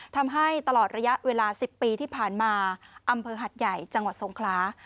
ทำให้ตลอดระยะเวลา๑๐ปีที่ผ่านมาอำเภอหัดใหญ่จังหวัดทรงคลา